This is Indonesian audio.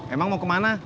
emang mau kemana